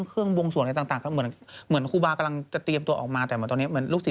คุณหมอต่างติดตามรายการนี้